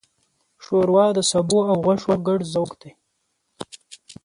ښوروا د سبو او غوښو ګډ ذوق دی.